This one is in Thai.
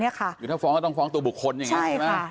อยู่ที่ฟ้องก็ต้องฟ้องตัวบุคคลอย่างนั้นใช่ไหม